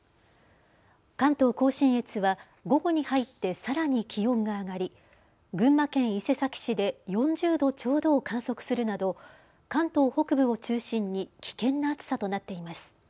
関東甲信越は午後に入ってさらに気温が上がり群馬県伊勢崎市で４０度ちょうどを観測するなど関東北部を中心に危険な暑さとなっています。